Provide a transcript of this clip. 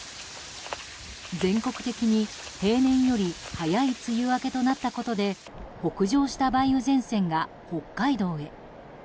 全国的に平年より早い梅雨明けになったことで北上した梅雨前線が北海道へ。